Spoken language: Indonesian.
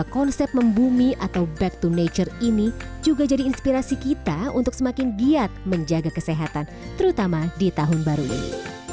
konsep membumi atau back to nature ini juga jadi inspirasi kita untuk semakin giat menjaga kesehatan terutama di tahun baru ini